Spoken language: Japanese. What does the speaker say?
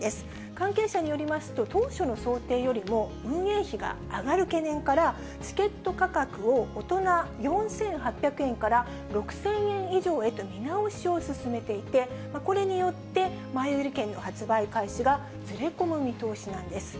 関係者によりますと、当初の想定よりも運営費が上がる懸念から、チケット価格を大人４８００円から６０００円以上へと見直しを進めていて、これによって前売り券の発売開始がずれ込む見通しなんです。